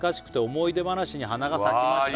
「思い出話に花が咲きました」